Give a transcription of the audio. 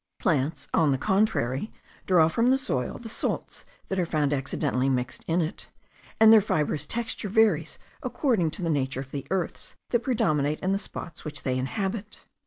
Plants, on the contrary, draw from the soil the salts that are found accidentally mixed in it; and their fibrous texture varies according to the nature of the earths that predominate in the spots which they inhabit.